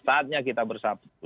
saatnya kita bersatu